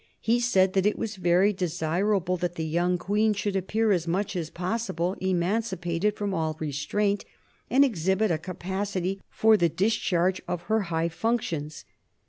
He said that it was very desirable that the young Queen should appear as much as possible emancipated from all restraint, and exhibit a capacity for the discharge of her high functions.